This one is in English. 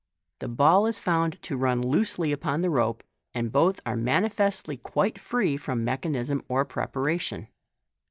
The ball is found to run loosely upon the rope, and both are manifestly quite free from mechanism or preparation.